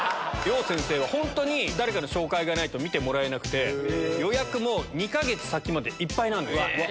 楊先生は、本当に誰かの紹介がないと見てもらえなくて、予約も２か月先までいっぱいなんですよ。